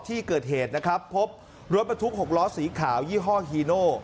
ที่เกิดเหตุนะครับพบรถบรรทุก๖ล้อสีขาวยี่ห้อฮีโน่